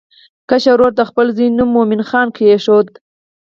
کشر ورور د خپل زوی نوم مومن خان کېښود.